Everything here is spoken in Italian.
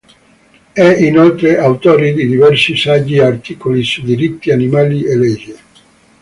È inoltre autore di diversi saggi e articoli su diritti animali e legge.